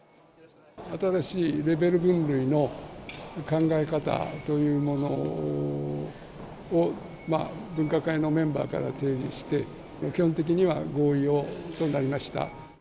新しいレベル分類の考え方というものを分科会のメンバーから提示して、基本的には合意となりました。